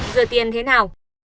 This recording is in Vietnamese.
giờ tiên thế nào